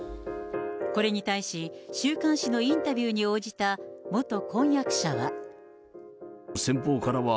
これに対し、週刊誌のインタビューに応じた元婚約者は。